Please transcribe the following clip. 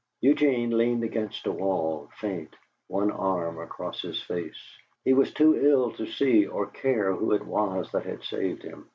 Eugene leaned against a wall, faint, one arm across his face. He was too ill to see, or care, who it was that had saved him.